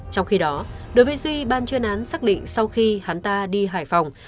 trong khi đó đối với duy ban chuyên án xác định sau khi hắn ta đi hải phòng